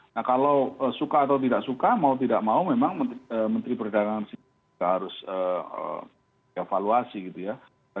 nah kalau suka atau tidak suka mau tidak mau memang menteri perdagangan juga harus dievaluasi gitu ya